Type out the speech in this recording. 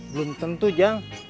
belum tentu jang